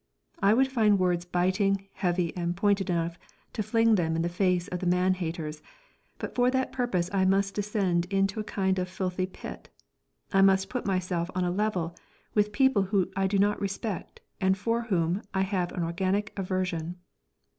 I would find words biting, heavy, and pointed enough to fling them in the face of the man haters, but for that purpose I must descend into a kind of filthy pit. I must put myself on a level with people whom I do not respect and for whom I have an organic aversion.